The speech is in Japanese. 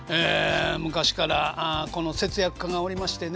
昔からこの節約家がおりましてね